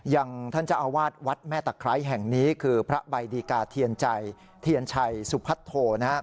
อย่างิดีกาธุที่ญไชสุพัทโท